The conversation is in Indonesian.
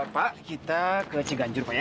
pak kita ke ciganjur pak ya